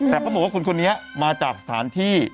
แต่เขาบอกว่าคนนี้มาจากสถานที่